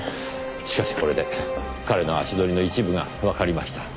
しかしこれで彼の足取りの一部がわかりました。